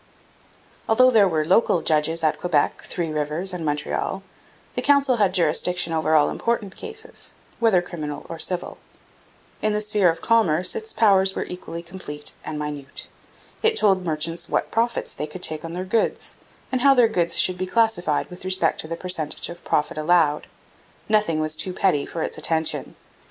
Although there were local judges at Quebec, Three Rivers, and Montreal, the Council had jurisdiction over all important cases, whether criminal or civil. In the sphere of commerce its powers were equally complete and minute. It told merchants what profits they could take on their goods, and how their goods should be classified with respect to the percentage of profit allowed. Nothing was too petty for its attention.